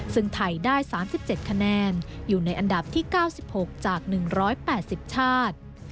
ซึ่งไทยได้๓๗คะแนนอยู่ในอันดับที่๙๖จาก๑๘๐ชาติ